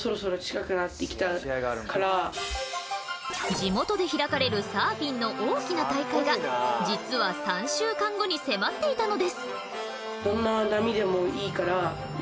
地元で開かれるサーフィンの大きな大会が実は３週間後に迫っていたのです。